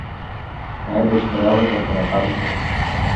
Аибашьра иалаго ҳара ҳакәӡам.